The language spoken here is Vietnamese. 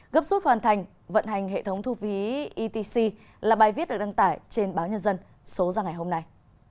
gấp rút hoàn thành vận hành hệ thống thu phí etc là bài viết được đăng tải trên báo nhân dân số ra ngày hôm nay